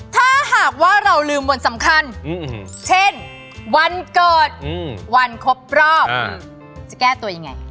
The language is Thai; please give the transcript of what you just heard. ถ้าหากว่าเราลืมวันสำคัญเช่นวันเกิดวันครบรอบจะแก้ตัวยังไง